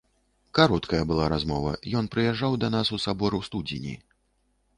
Кароткая была размова, ён прыязджаў да нас у сабор у студзені.